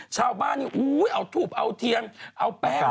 ชาวบ้านนี่เอาทูบเอาเทียนเอาแป้ง